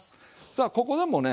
さあここでもね